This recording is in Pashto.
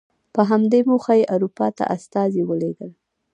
په همدې موخه یې اروپا ته استازي ولېږل.